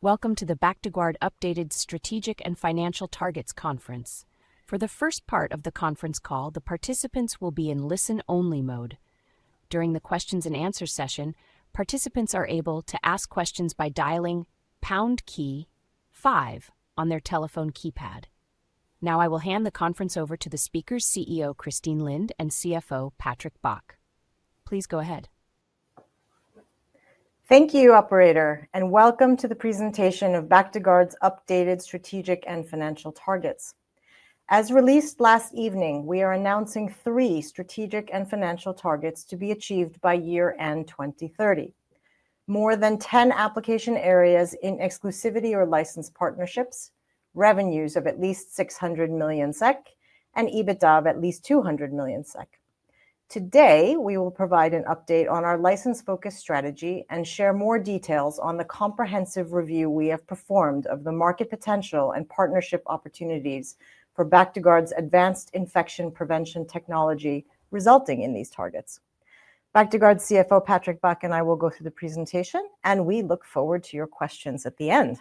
Welcome to the Bactiguard updated Strategic and Financial Targets Conference. For the first part of the conference call, the participants will be in listen-only mode. During the questions and answer session, participants are able to ask questions by dialing pound key five on their telephone keypad. Now, I will hand the conference over to the speakers, CEO Christine Lind and CFO Patrick Bach. Please go ahead. Thank you, Operator, and welcome to the presentation of Bactiguard's updated Strategic and Financial Targets. As released last evening, we are announcing three Strategic and Financial Targets to be achieved by year-end 2030: more than 10 application areas in exclusivity or license partnerships, revenues of at least 600 million SEK, and EBITDA of at least 200 million SEK. Today, we will provide an update on our license-focused strategy and share more details on the comprehensive review we have performed of the market potential and partnership opportunities for Bactiguard's advanced infection prevention technology resulting in these targets. Bactiguard CFO Patrick Bach and I will go through the presentation, and we look forward to your questions at the end.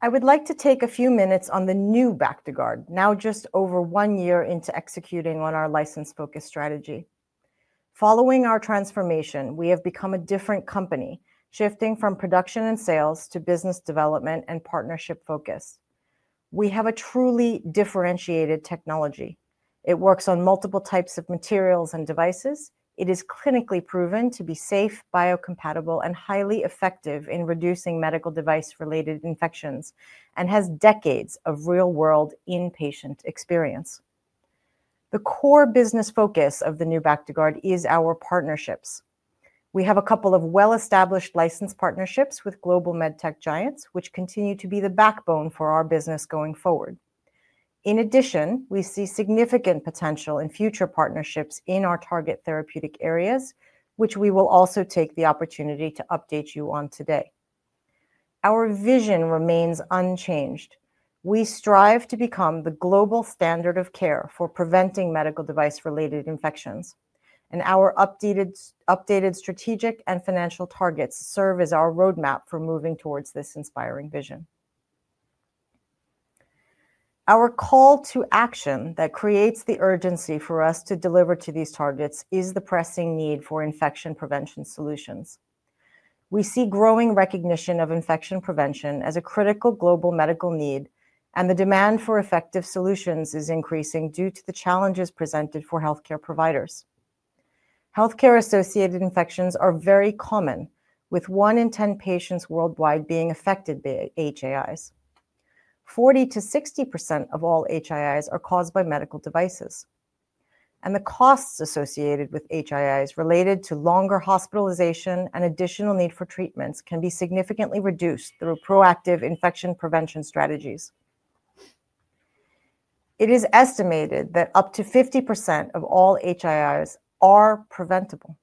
I would like to take a few minutes on the new Bactiguard, now just over one year into executing on our license-focused strategy. Following our transformation, we have become a different company, shifting from production and sales to business development and partnership focus. We have a truly differentiated technology. It works on multiple types of materials and devices. It is clinically proven to be safe, biocompatible, and highly effective in reducing medical device-related infections, and has decades of real-world inpatient experience. The core business focus of the new Bactiguard is our partnerships. We have a couple of well-established license partnerships with global medtech giants, which continue to be the backbone for our business going forward. In addition, we see significant potential in future partnerships in our target therapeutic areas, which we will also take the opportunity to update you on today. Our vision remains unchanged. We strive to become the global standard of care for preventing medical device-related infections, and our updated Strategic and Financial Targets serve as our roadmap for moving towards this inspiring vision. Our call to action that creates the urgency for us to deliver to these targets is the pressing need for infection prevention solutions. We see growing recognition of infection prevention as a critical global medical need, and the demand for effective solutions is increasing due to the challenges presented for healthcare providers. Healthcare-associated infections are very common, with one in ten patients worldwide being affected by HAIs. 40%-60% of all HAIs are caused by medical devices, and the costs associated with HAIs related to longer hospitalization and additional need for treatments can be significantly reduced through proactive infection prevention strategies. It is estimated that up to 50% of all HAIs are preventable.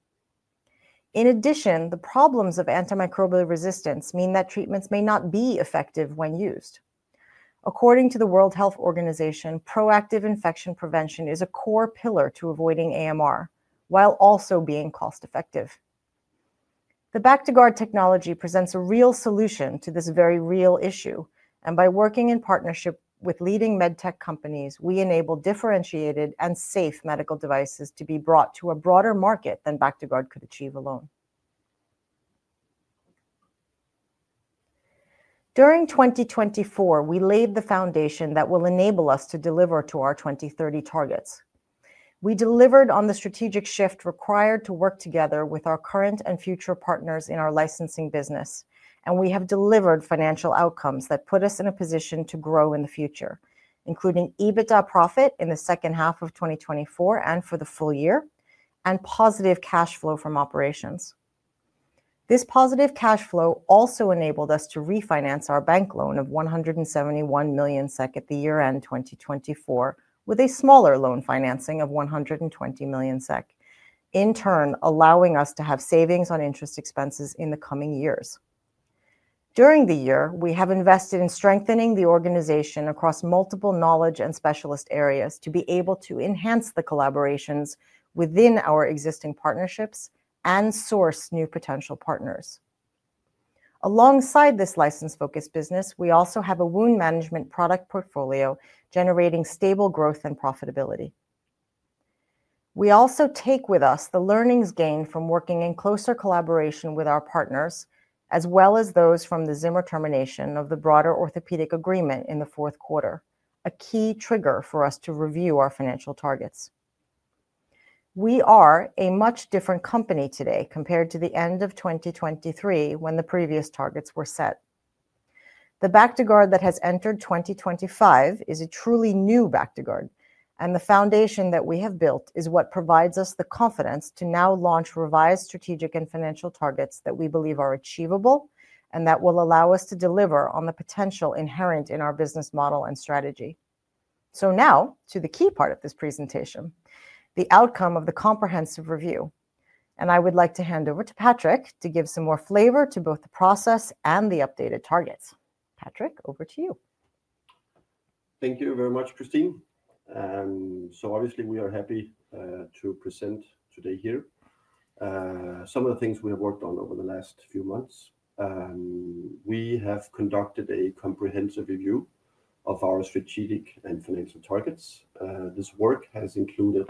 In addition, the problems of antimicrobial resistance mean that treatments may not be effective when used. According to the World Health Organization, proactive infection prevention is a core pillar to avoiding AMR, while also being cost-effective. The Bactiguard technology presents a real solution to this very real issue, and by working in partnership with leading medtech companies, we enable differentiated and safe medical devices to be brought to a broader market than Bactiguard could achieve alone. During 2024, we laid the foundation that will enable us to deliver to our 2030 targets. We delivered on the strategic shift required to work together with our current and future partners in our licensing business, and we have delivered financial outcomes that put us in a position to grow in the future, including EBITDA profit in the second half of 2024 and for the full year, and positive cash flow from operations. This positive cash flow also enabled us to refinance our bank loan of 171 million SEK at the year-end 2024, with a smaller loan financing of 120 million SEK, in turn allowing us to have savings on interest expenses in the coming years. During the year, we have invested in strengthening the organization across multiple knowledge and specialist areas to be able to enhance the collaborations within our existing partnerships and source new potential partners. Alongside this license-focused business, we also have a wound management product portfolio generating stable growth and profitability. We also take with us the learnings gained from working in closer collaboration with our partners, as well as those from the Zimmer Biomet termination of the broader orthopedic agreement in the fourth quarter, a key trigger for us to review our financial targets. We are a much different company today compared to the end of 2023 when the previous targets were set. The Bactiguard that has entered 2025 is a truly new Bactiguard, and the foundation that we have built is what provides us the confidence to now launch revised Strategic and Financial Targets that we believe are achievable and that will allow us to deliver on the potential inherent in our business model and strategy. Now, to the key part of this presentation: the outcome of the comprehensive review. I would like to hand over to Patrick to give some more flavor to both the process and the updated targets. Patrick, over to you. Thank you very much, Christine. Obviously, we are happy to present today here some of the things we have worked on over the last few months. We have conducted a comprehensive review of our Strategic and Financial Targets. This work has included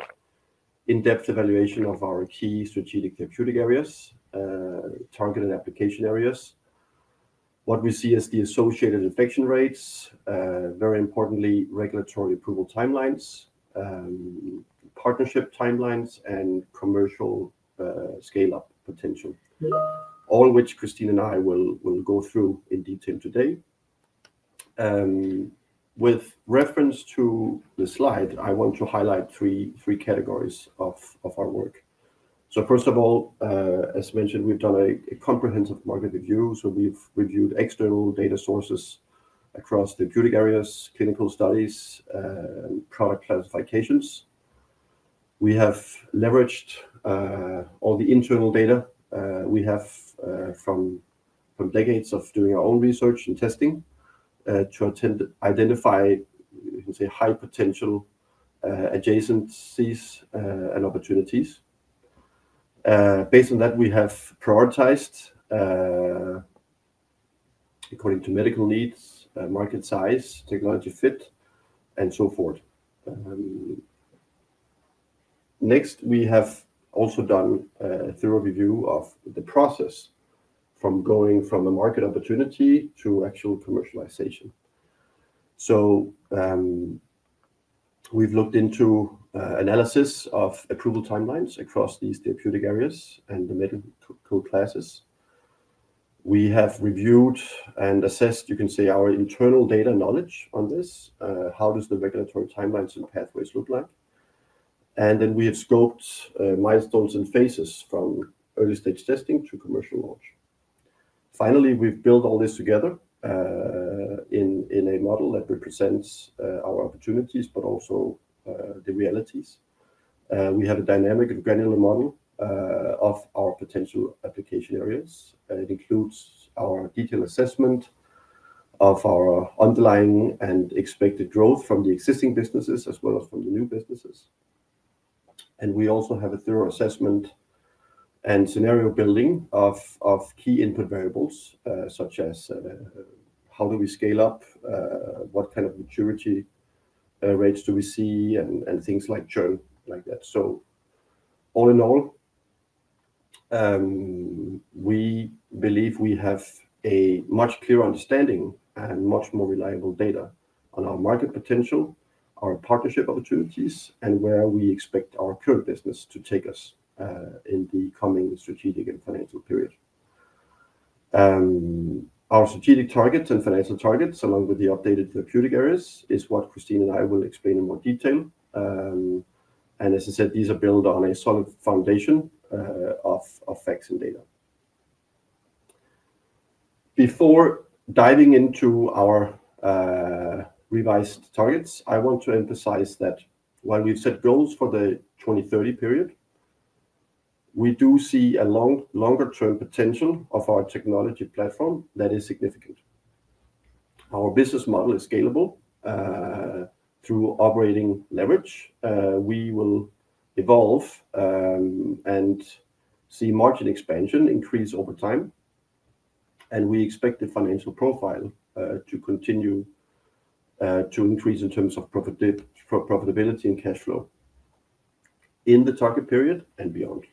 in-depth evaluation of our key strategic therapeutic areas, targeted application areas, what we see as the associated infection rates, very importantly, regulatory approval timelines, partnership timelines, and commercial scale-up potential, all of which Christine and I will go through in detail today. With reference to the slide, I want to highlight three categories of our work. First of all, as mentioned, we've done a comprehensive market review. We have reviewed external data sources across therapeutic areas, clinical studies, and product classifications. We have leveraged all the internal data we have from decades of doing our own research and testing to identify high-potential adjacencies and opportunities. Based on that, we have prioritized according to medical needs, market size, technology fit, and so forth. Next, we have also done a thorough review of the process from going from a market opportunity to actual commercialization. We have looked into analysis of approval timelines across these therapeutic areas and the medical classes. We have reviewed and assessed, you can say, our internal data knowledge on this. How do the regulatory timelines and pathways look like? We have scoped milestones and phases from early-stage testing to commercial launch. Finally, we have built all this together in a model that represents our opportunities, but also the realities. We have a dynamic granular model of our potential application areas. It includes our detailed assessment of our underlying and expected growth from the existing businesses as well as from the new businesses. We also have a thorough assessment and scenario building of key input variables, such as how do we scale up, what kind of maturity rates do we see, and things like churn like that. All in all, we believe we have a much clearer understanding and much more reliable data on our market potential, our partnership opportunities, and where we expect our current business to take us in the coming strategic and financial period. Our strategic targets and financial targets, along with the updated therapeutic areas, is what Christine and I will explain in more detail. As I said, these are built on a solid foundation of facts and data. Before diving into our revised targets, I want to emphasize that while we've set goals for the 2030 period, we do see a longer-term potential of our technology platform that is significant. Our business model is scalable through operating leverage. We will evolve and see margin expansion increase over time, and we expect the financial profile to continue to increase in terms of profitability and cash flow in the target period and beyond.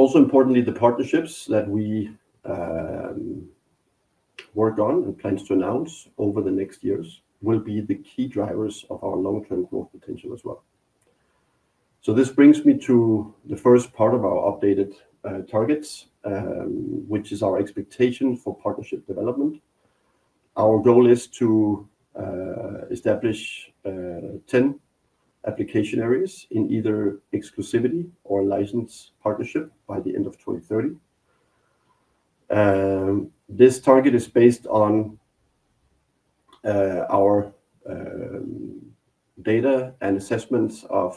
Also importantly, the partnerships that we work on and plan to announce over the next years will be the key drivers of our long-term growth potential as well. This brings me to the first part of our updated targets, which is our expectation for partnership development. Our goal is to establish 10 application areas in either exclusivity or license partnership by the end of 2030. This target is based on our data and assessments of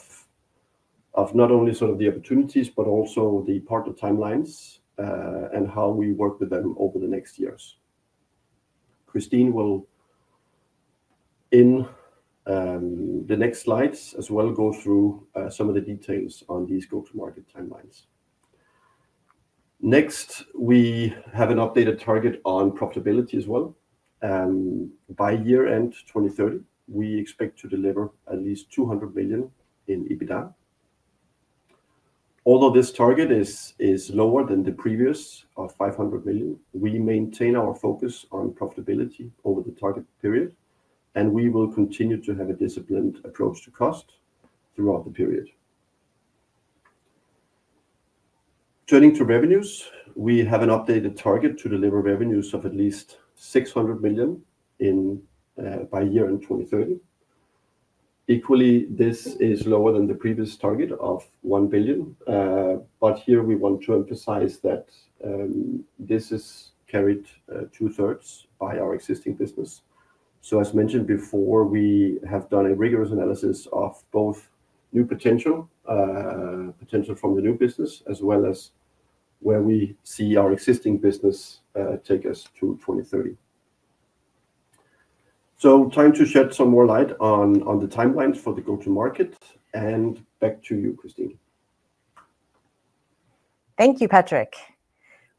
not only sort of the opportunities, but also the partner timelines and how we work with them over the next years. Christine will, in the next slides as well, go through some of the details on these go-to-market timelines. Next, we have an updated target on profitability as well. By year-end 2030, we expect to deliver at least 200 million in EBITDA. Although this target is lower than the previous of 500 million, we maintain our focus on profitability over the target period, and we will continue to have a disciplined approach to cost throughout the period. Turning to revenues, we have an updated target to deliver revenues of at least 600 million by year-end 2030. Equally, this is lower than the previous target of 1 billion, but here we want to emphasize that this is carried two-thirds by our existing business. As mentioned before, we have done a rigorous analysis of both new potential, potential from the new business, as well as where we see our existing business take us to 2030. Time to shed some more light on the timelines for the go-to-market. Back to you, Christine. Thank you, Patrick.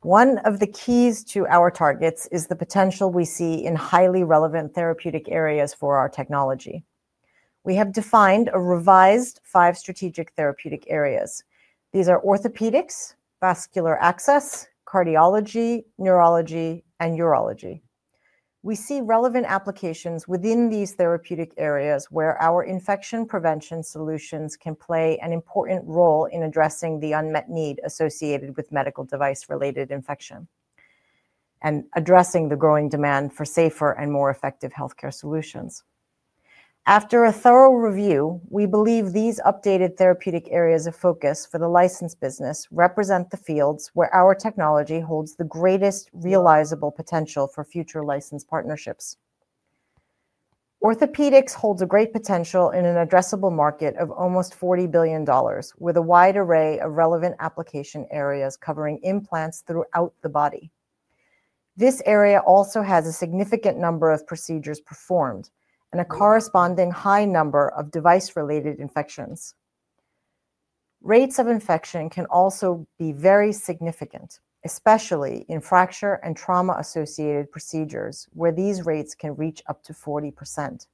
One of the keys to our targets is the potential we see in highly relevant therapeutic areas for our technology. We have defined a revised five strategic therapeutic areas. These are orthopedics, vascular access, cardiology, neurology, and urology. We see relevant applications within these therapeutic areas where our infection prevention solutions can play an important role in addressing the unmet need associated with medical device-related infection and addressing the growing demand for safer and more effective healthcare solutions. After a thorough review, we believe these updated therapeutic areas of focus for the licensed business represent the fields where our technology holds the greatest realizable potential for future licensed partnerships. Orthopedics holds a great potential in an addressable market of almost $40 billion, with a wide array of relevant application areas covering implants throughout the body. This area also has a significant number of procedures performed and a corresponding high number of device-related infections. Rates of infection can also be very significant, especially in fracture and trauma-associated procedures, where these rates can reach up to 40%.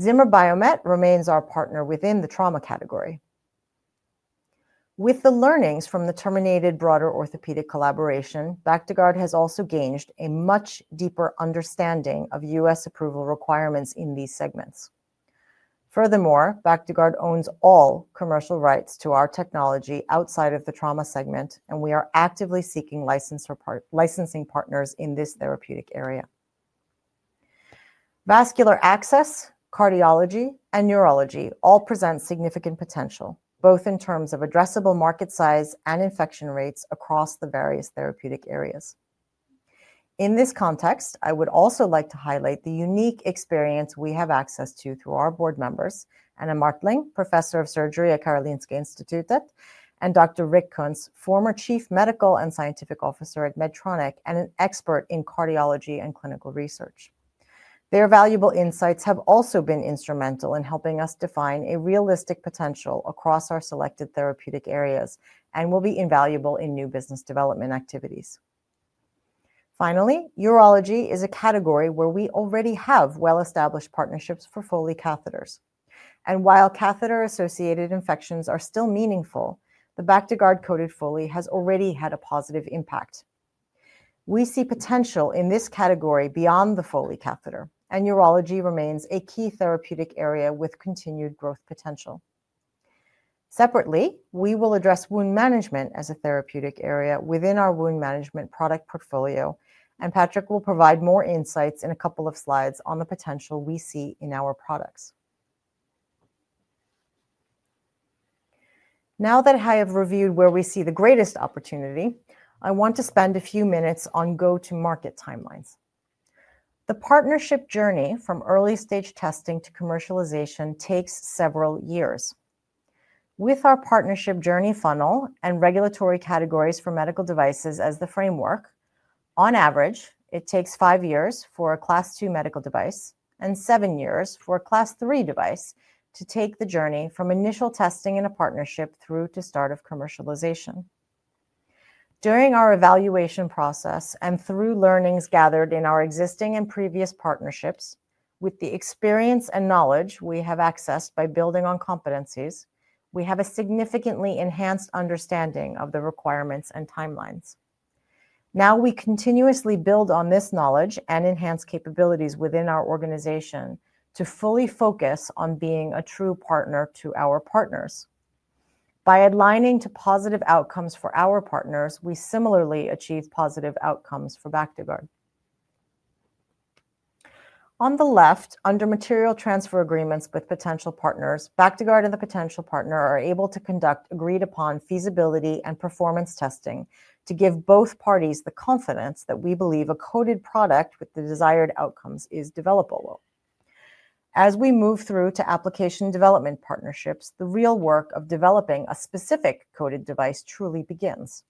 Zimmer Biomet remains our partner within the trauma category. With the learnings from the terminated broader orthopedic collaboration, Bactiguard has also gained a much deeper understanding of U.S. approval requirements in these segments. Furthermore, Bactiguard owns all commercial rights to our technology outside of the trauma segment, and we are actively seeking licensing partners in this therapeutic area. Vascular access, cardiology, and neurology all present significant potential, both in terms of addressable market size and infection rates across the various therapeutic areas. In this context, I would also like to highlight the unique experience we have access to through our board members, Anna Martling, Professor of Surgery at Karolinska Institutet, and Dr. Rick Kuntz, former Chief Medical and Scientific Officer at Medtronic and an expert in cardiology and clinical research. Their valuable insights have also been instrumental in helping us define a realistic potential across our selected therapeutic areas and will be invaluable in new business development activities. Finally, urology is a category where we already have well-established partnerships for Foley catheters. While catheter-associated infections are still meaningful, the Bactiguard coated Foley has already had a positive impact. We see potential in this category beyond the Foley catheter, and urology remains a key therapeutic area with continued growth potential. Separately, we will address wound management as a therapeutic area within our wound management product portfolio, and Patrick will provide more insights in a couple of slides on the potential we see in our products. Now that I have reviewed where we see the greatest opportunity, I want to spend a few minutes on go-to-market timelines. The partnership journey from early-stage testing to commercialization takes several years. With our partnership journey funnel and regulatory categories for medical devices as the framework, on average, it takes five years for a Class 2 medical device and seven years for a Class 3 device to take the journey from initial testing in a partnership through to start of commercialization. During our evaluation process and through learnings gathered in our existing and previous partnerships, with the experience and knowledge we have accessed by building on competencies, we have a significantly enhanced understanding of the requirements and timelines. Now we continuously build on this knowledge and enhance capabilities within our organization to fully focus on being a true partner to our partners. By aligning to positive outcomes for our partners, we similarly achieve positive outcomes for Bactiguard. On the left, under material transfer agreements with potential partners, Bactiguard and the potential partner are able to conduct agreed-upon feasibility and performance testing to give both parties the confidence that we believe a coated product with the desired outcomes is developable. As we move through to application development partnerships, the real work of developing a specific coated device truly begins.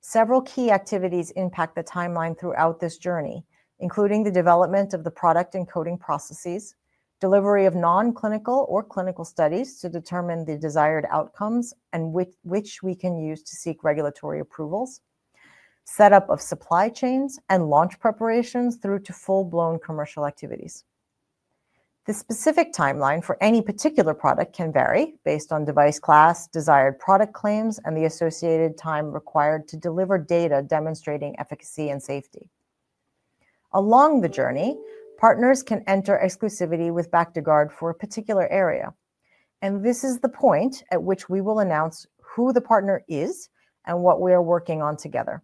Several key activities impact the timeline throughout this journey, including the development of the product and coating processes, delivery of non-clinical or clinical studies to determine the desired outcomes and which we can use to seek regulatory approvals, setup of supply chains, and launch preparations through to full-blown commercial activities. The specific timeline for any particular product can vary based on device class, desired product claims, and the associated time required to deliver data demonstrating efficacy and safety. Along the journey, partners can enter exclusivity with Bactiguard for a particular area. This is the point at which we will announce who the partner is and what we are working on together.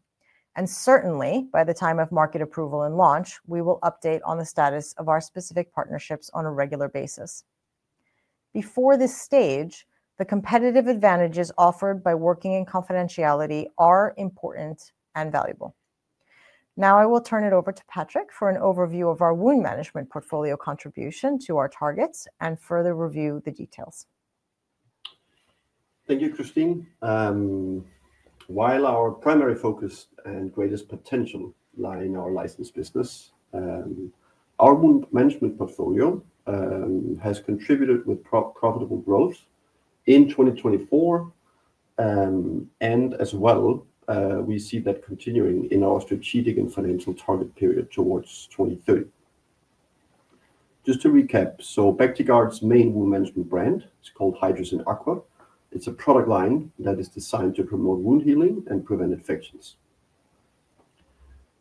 Certainly, by the time of market approval and launch, we will update on the status of our specific partnerships on a regular basis. Before this stage, the competitive advantages offered by working in confidentiality are important and valuable. Now I will turn it over to Patrick for an overview of our wound management portfolio contribution to our targets and further review the details. Thank you, Christine. While our primary focus and greatest potential lie in our licensed business, our wound management portfolio has contributed with profitable growth in 2024, and as well, we see that continuing in our strategic and financial target period towards 2030. Just to recap, so Bactiguard's main wound management brand, it's called Hydrocyn Aqua. It's a product line that is designed to promote wound healing and prevent infections.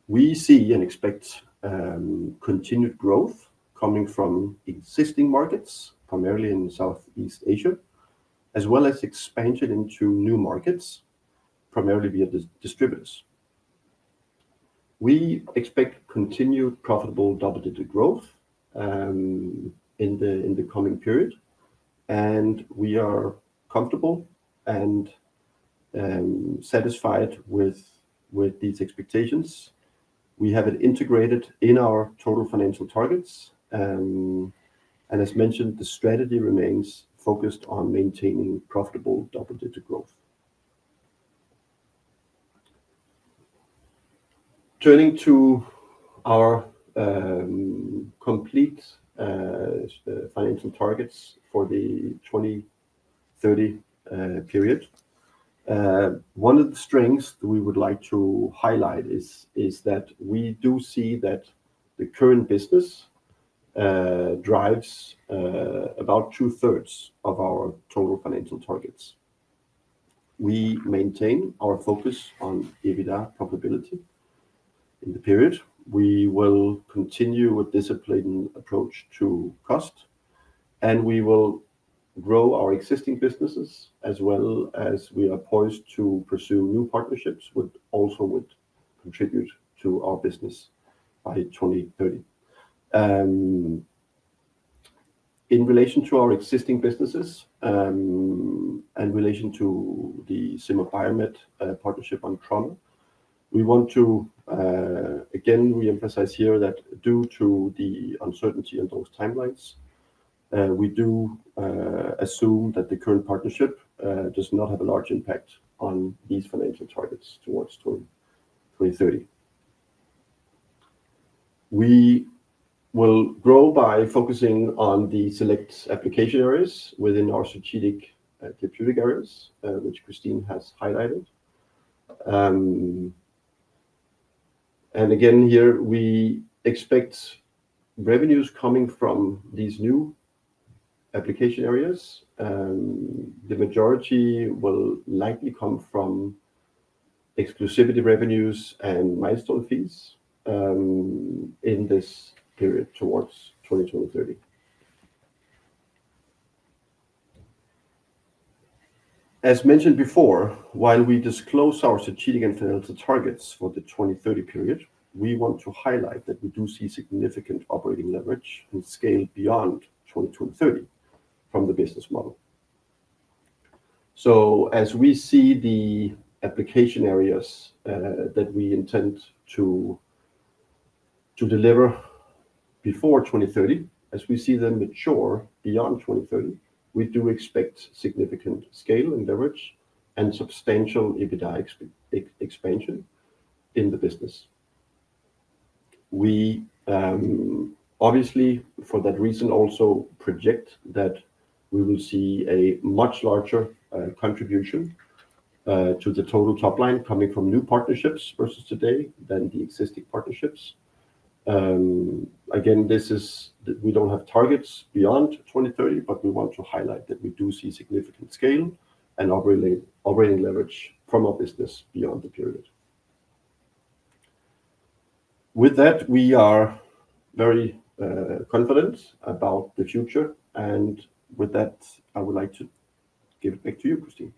We see and expect continued growth coming from existing markets, primarily in Southeast Asia, as well as expansion into new markets, primarily via distributors. We expect continued profitable double-digit growth in the coming period, and we are comfortable and satisfied with these expectations. We have it integrated in our total financial targets, and as mentioned, the strategy remains focused on maintaining profitable double-digit growth. Turning to our complete financial targets for the 2030 period, one of the strengths that we would like to highlight is that we do see that the current business drives about two-thirds of our total financial targets. We maintain our focus on EBITDA profitability in the period. We will continue with a disciplined approach to cost, and we will grow our existing businesses as well as we are poised to pursue new partnerships that also would contribute to our business by 2030. In relation to our existing businesses and in relation to the Zimmer Biomet partnership on trauma, we want to, again, re-emphasize here that due to the uncertainty on those timelines, we do assume that the current partnership does not have a large impact on these financial targets towards 2030. We will grow by focusing on the select application areas within our strategic therapeutic areas, which Christine has highlighted. Here we expect revenues coming from these new application areas. The majority will likely come from exclusivity revenues and milestone fees in this period towards 2030. As mentioned before, while we disclose our strategic and financial targets for the 2030 period, we want to highlight that we do see significant operating leverage and scale beyond 2030 from the business model. As we see the application areas that we intend to deliver before 2030, as we see them mature beyond 2030, we do expect significant scale and leverage and substantial EBITDA expansion in the business. We obviously, for that reason, also project that we will see a much larger contribution to the total top line coming from new partnerships versus today than the existing partnerships. Again, we don't have targets beyond 2030, but we want to highlight that we do see significant scale and operating leverage from our business beyond the period. With that, we are very confident about the future, and with that, I would like to give it back to you, Christine.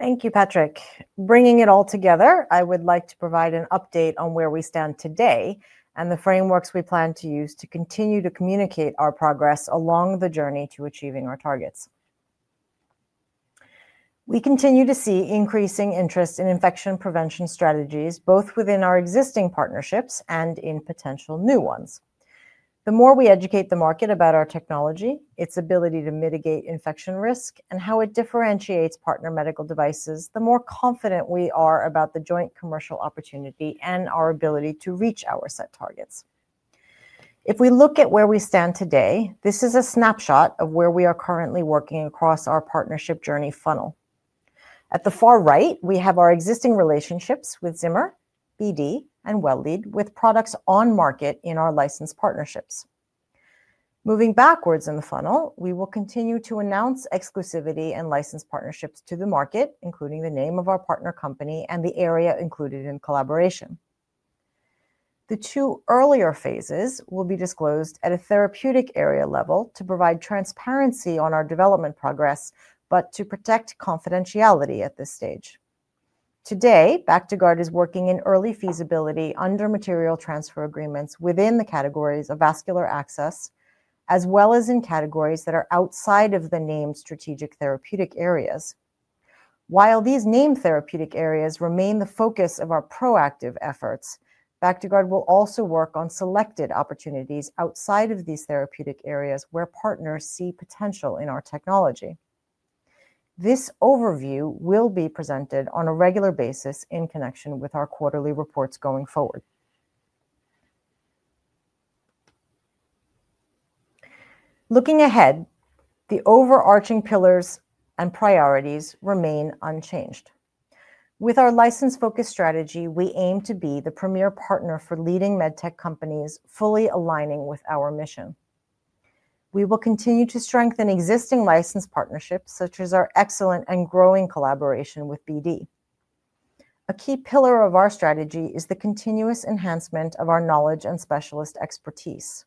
Thank you, Patrick. Bringing it all together, I would like to provide an update on where we stand today and the frameworks we plan to use to continue to communicate our progress along the journey to achieving our targets. We continue to see increasing interest in infection prevention strategies, both within our existing partnerships and in potential new ones. The more we educate the market about our technology, its ability to mitigate infection risk, and how it differentiates partner medical devices, the more confident we are about the joint commercial opportunity and our ability to reach our set targets. If we look at where we stand today, this is a snapshot of where we are currently working across our partnership journey funnel. At the far right, we have our existing relationships with Zimmer, BD, and Well Lead with products on market in our licensed partnerships. Moving backwards in the funnel, we will continue to announce exclusivity and licensed partnerships to the market, including the name of our partner company and the area included in collaboration. The two earlier phases will be disclosed at a therapeutic area level to provide transparency on our development progress, but to protect confidentiality at this stage. Today, Bactiguard is working in early feasibility under material transfer agreements within the categories of vascular access, as well as in categories that are outside of the named strategic therapeutic areas. While these named therapeutic areas remain the focus of our proactive efforts, Bactiguard will also work on selected opportunities outside of these therapeutic areas where partners see potential in our technology. This overview will be presented on a regular basis in connection with our quarterly reports going forward. Looking ahead, the overarching pillars and priorities remain unchanged. With our license-focused strategy, we aim to be the premier partner for leading medtech companies fully aligning with our mission. We will continue to strengthen existing licensed partnerships, such as our excellent and growing collaboration with BD. A key pillar of our strategy is the continuous enhancement of our knowledge and specialist expertise.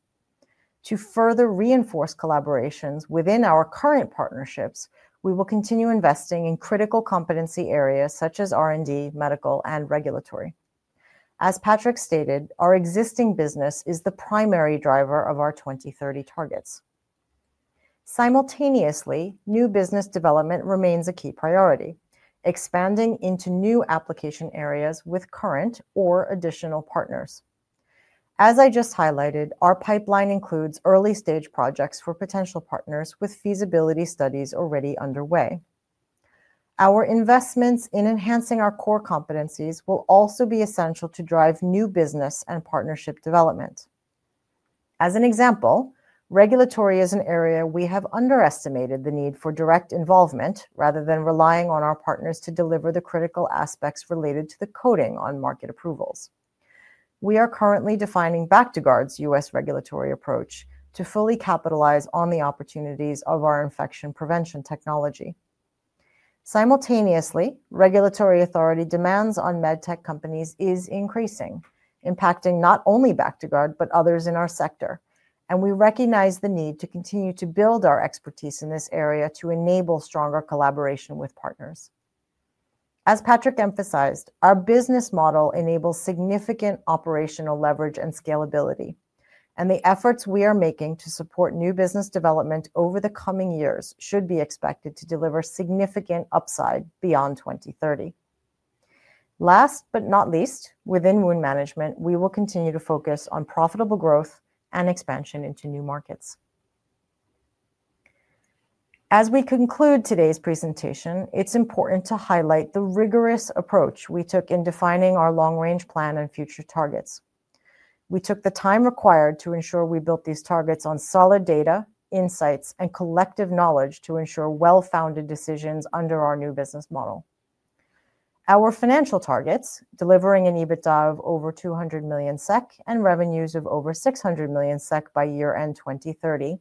To further reinforce collaborations within our current partnerships, we will continue investing in critical competency areas such as R&D, medical, and regulatory. As Patrick stated, our existing business is the primary driver of our 2030 targets. Simultaneously, new business development remains a key priority, expanding into new application areas with current or additional partners. As I just highlighted, our pipeline includes early-stage projects for potential partners with feasibility studies already underway. Our investments in enhancing our core competencies will also be essential to drive new business and partnership development. As an example, regulatory is an area we have underestimated the need for direct involvement rather than relying on our partners to deliver the critical coating on market approvals. we are currently defining Bactiguard's U.S. regulatory approach to fully capitalize on the opportunities of our infection prevention technology. Simultaneously, regulatory authority demands on medtech companies are increasing, impacting not only Bactiguard but others in our sector, and we recognize the need to continue to build our expertise in this area to enable stronger collaboration with partners. As Patrick emphasized, our business model enables significant operational leverage and scalability, and the efforts we are making to support new business development over the coming years should be expected to deliver significant upside beyond 2030. Last but not least, within wound management, we will continue to focus on profitable growth and expansion into new markets. As we conclude today's presentation, it's important to highlight the rigorous approach we took in defining our long-range plan and future targets. We took the time required to ensure we built these targets on solid data, insights, and collective knowledge to ensure well-founded decisions under our new business model. Our financial targets, delivering an EBITDA of over 200 million SEK and revenues of over 600 million SEK by year-end 2030,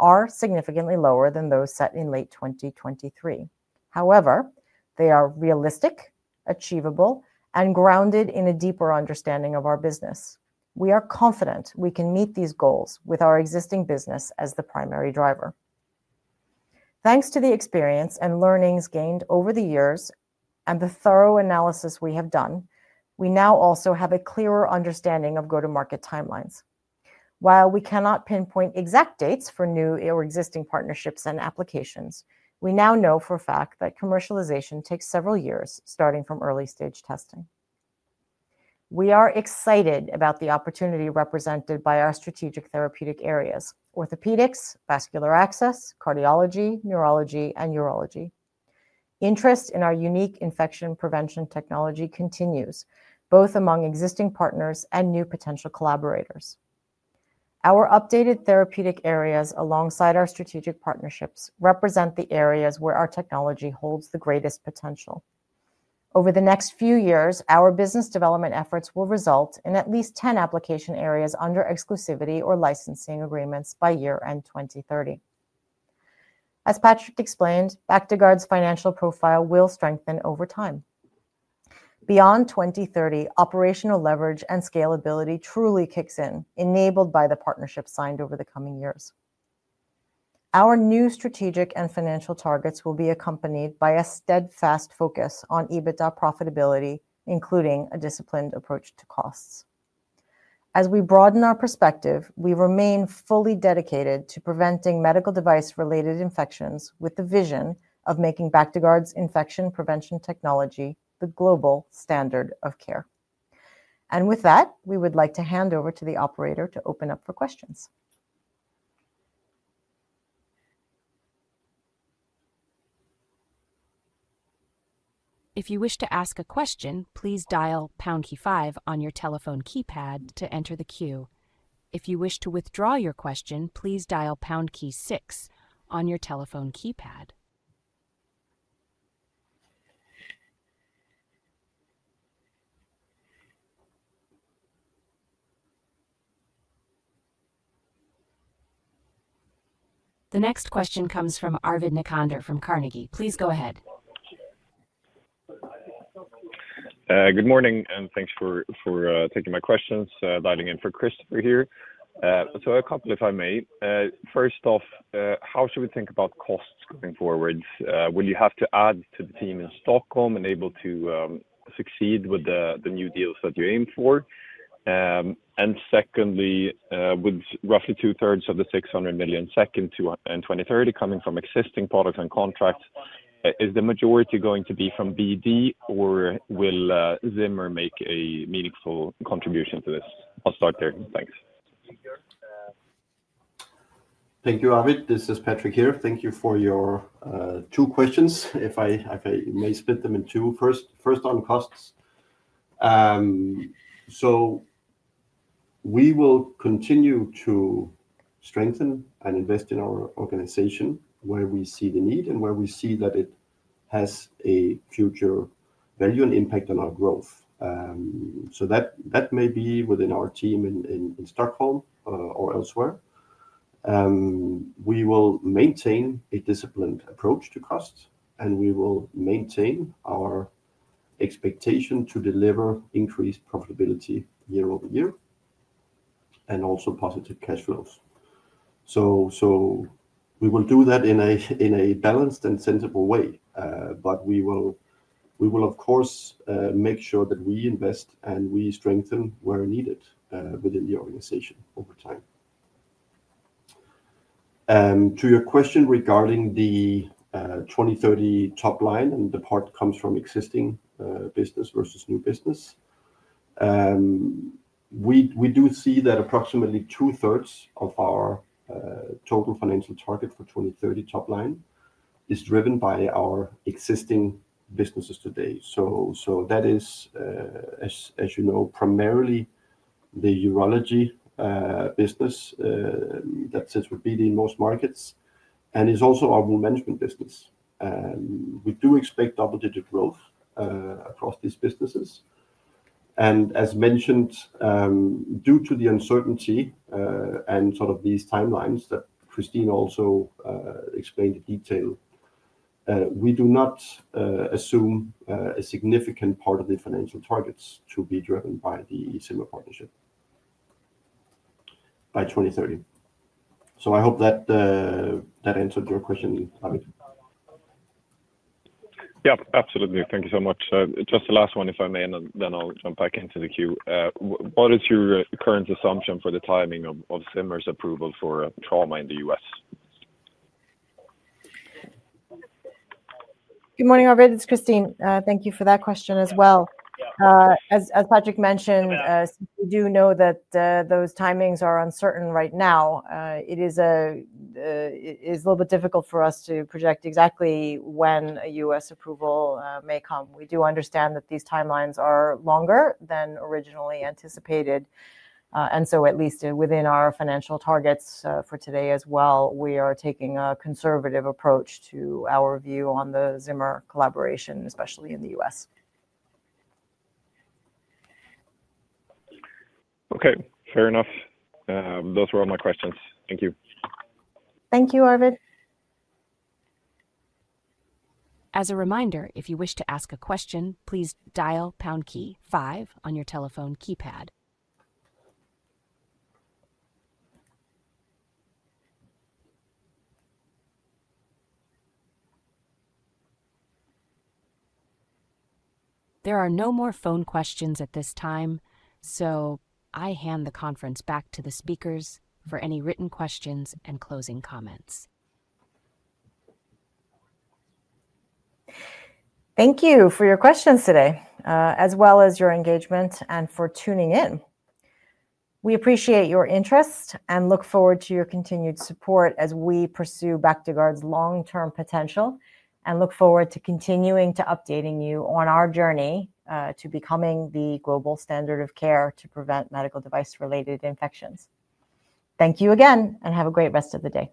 are significantly lower than those set in late 2023. However, they are realistic, achievable, and grounded in a deeper understanding of our business. We are confident we can meet these goals with our existing business as the primary driver. Thanks to the experience and learnings gained over the years and the thorough analysis we have done, we now also have a clearer understanding of go-to-market timelines. While we cannot pinpoint exact dates for new or existing partnerships and applications, we now know for a fact that commercialization takes several years, starting from early-stage testing. We are excited about the opportunity represented by our strategic therapeutic areas: orthopedics, vascular access, cardiology, neurology, and urology. Interest in our unique infection prevention technology continues, both among existing partners and new potential collaborators. Our updated therapeutic areas alongside our strategic partnerships represent the areas where our technology holds the greatest potential. Over the next few years, our business development efforts will result in at least 10 application areas under exclusivity or licensing agreements by year-end 2030. As Patrick explained, Bactiguard's financial profile will strengthen over time. Beyond 2030, operational leverage and scalability truly kick in, enabled by the partnerships signed over the coming years. Our new strategic and financial targets will be accompanied by a steadfast focus on EBITDA profitability, including a disciplined approach to costs. As we broaden our perspective, we remain fully dedicated to preventing medical device-related infections with the vision of making Bactiguard's infection prevention technology the global standard of care. With that, we would like to hand over to the operator to open up for questions. If you wish to ask a question, please dial pound key five on your telephone keypad to enter the queue. If you wish to withdraw your question, please dial pound key six on your telephone keypad. The next question comes from Arvid Necander from Carnegie. Please go ahead. Good morning and thanks for taking my questions. I'm dialing in for Chris over here. A couple if I may. First off, how should we think about costs going forward? Will you have to add to the team in Stockholm and be able to succeed with the new deals that you aim for? Secondly, with roughly two-thirds of the 600 million SEK in 2030 coming from existing products and contracts, is the majority going to be from BD, or will Zimmer make a meaningful contribution to this? I'll start there. Thanks. Thank you, Arvid. This is Patrick here. Thank you for your two questions, if I may split them in two. First, on costs. We will continue to strengthen and invest in our organization where we see the need and where we see that it has a future value and impact on our growth. That may be within our team in Stockholm or elsewhere. We will maintain a disciplined approach to costs, and we will maintain our expectation to deliver increased profitability year-over-year and also positive cash flows. We will do that in a balanced and sensible way, but we will, of course, make sure that we invest and we strengthen where needed within the organization over time. To your question regarding the 2030 top line, and the part comes from existing business versus new business, we do see that approximately two-thirds of our total financial target for 2030 top line is driven by our existing businesses today. That is, as you know, primarily the urology business that sits with BD in most markets and is also our wound management business. We do expect double-digit growth across these businesses. As mentioned, due to the uncertainty and sort of these timelines that Christine also explained in detail, we do not assume a significant part of the financial targets to be driven by the Zimmer partnership by 2030. I hope that answered your question, Arvid. Yep, absolutely. Thank you so much. Just the last one, if I may, and then I'll jump back into the queue. What is your current assumption for the timing of Zimmer's approval for trauma in the U.S.? Good morning, Arvid. It's Christine. Thank you for that question as well. As Patrick mentioned, we do know that those timings are uncertain right now. It is a little bit difficult for us to project exactly when a U.S. approval may come. We do understand that these timelines are longer than originally anticipated, and at least within our financial targets for today as well, we are taking a conservative approach to our view on the Zimmer collaboration, especially in the U.S. Okay, fair enough. Those were all my questions. Thank you. Thank you, Arvid. As a reminder, if you wish to ask a question, please dial pound key five on your telephone keypad. There are no more phone questions at this time, so I hand the conference back to the speakers for any written questions and closing comments. Thank you for your questions today, as well as your engagement, and for tuning in. We appreciate your interest and look forward to your continued support as we pursue Bactiguard's long-term potential and look forward to continuing to updating you on our journey to becoming the global standard of care to prevent medical device-related infections. Thank you again, and have a great rest of the day.